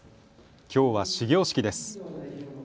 きょうは始業式です。